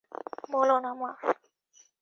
বলো না, মা।